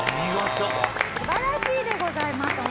素晴らしいでございます！